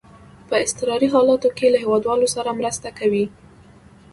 په اضطراري حالاتو کې له هیوادوالو سره مرسته کوي.